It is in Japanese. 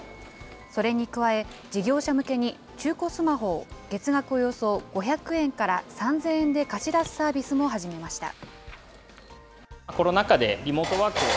それに加え、事業者向けに、中古スマホを月額およそ５００円から３０００円で貸し出すサービスも始めました。